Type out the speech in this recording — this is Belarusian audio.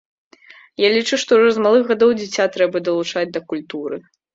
Я лічу, што ўжо з малых гадоў дзіця трэба далучаць да культуры.